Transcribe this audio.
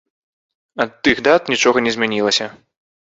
Ад тых дат нічога не змянілася.